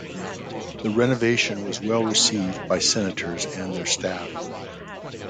The renovation was well received by Senators and their staff.